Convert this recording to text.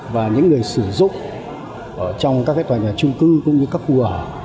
và những người sử dụng trong các tòa nhà trung cưng cũng như các quả